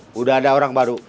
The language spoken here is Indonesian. sudah ada orang baru